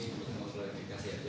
ini untuk mengambil aplikasi aja